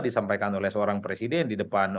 disampaikan oleh seorang presiden di depan